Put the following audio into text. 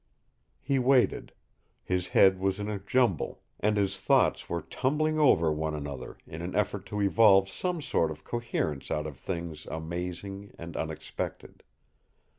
He waited. His head was in a jumble, and his thoughts were tumbling over one another in an effort to evolve some sort of coherence out of things amazing and unexpected.